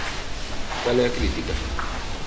¿Cal é a crítica?